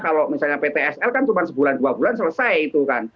kalau misalnya ptsl kan cuma sebulan dua bulan selesai itu kan